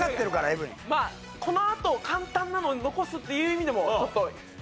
まあこのあと簡単なのを残すっていう意味でもちょっと。